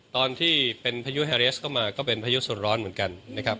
ตอนที่เป็นพายุแฮเรสก็มาก็เป็นพายุส่วนร้อนเหมือนกันนะครับ